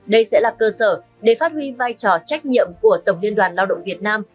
đây sẽ là cơ sở để phát huy vai trò trách nhiệm của tổng liên đoàn lao động việt nam